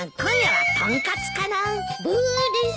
ブーッです。